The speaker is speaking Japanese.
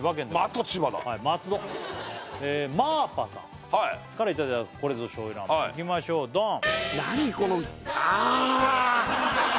また千葉だまーぱさんからいただいたこれぞ醤油ラーメンいきましょうドン！